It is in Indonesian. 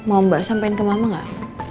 ada yang kemama gak